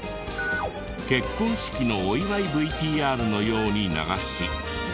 結婚式のお祝いＶＴＲのように流し。